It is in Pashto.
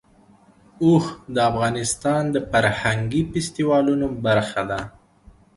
اوښ د افغانستان د فرهنګي فستیوالونو برخه ده.